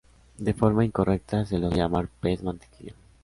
De forma incorrecta se los suele llamar "pez mantequilla".